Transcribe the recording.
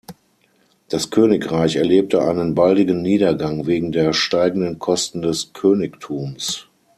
Das Königreich erlebte einen baldigen Niedergang wegen der steigenden Kosten des Königtums.